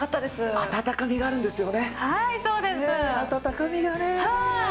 温かみがねー。